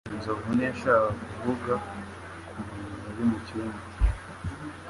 nzovu ntiyashakaga kuvuga ku muntu uri mu cyumba.